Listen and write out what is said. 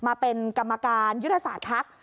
มาเป็นกรรมการยุทธศาสตร์ภักดิ์